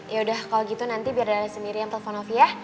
yaudah kalau gitu nanti biar dara sendiri yang telepon novi ya